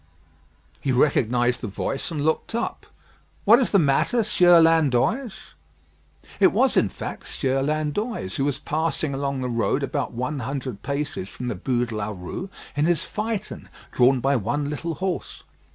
He recognised the voice and looked up. "What is the matter, Sieur Landoys?" It was, in fact, Sieur Landoys, who was passing along the road about one hundred paces from the Bû de la Rue in his phaeton, drawn by one little horse.